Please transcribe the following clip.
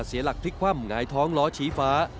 เสียหลักพลิกคว่ำหงายท้องล้อชี้ฟ้า